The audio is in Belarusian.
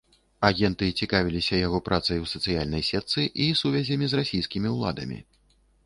Агенты цікавіліся яго працай у сацыяльнай сетцы і сувязямі з расійскімі ўладамі.